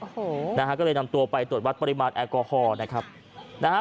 โอ้โหนะฮะก็เลยนำตัวไปตรวจวัดปริมาณแอลกอฮอล์นะครับนะฮะ